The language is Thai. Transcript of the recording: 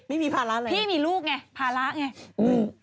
พี่มีภาระอะไรพี่มีลูกไงภาระไง